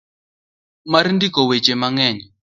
mar ndiko weche mang'eny.